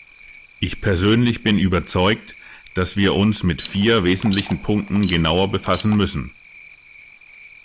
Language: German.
Ich persönlich bin überzeugt, dass wir uns mit vier wesentlichen Punkten genauer befassen müssen.